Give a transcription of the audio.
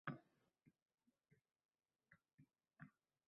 Shuncha uzoq bo’lding, bas, endi yetar